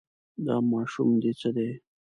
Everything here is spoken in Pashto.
دا ماشوم دې څه دی.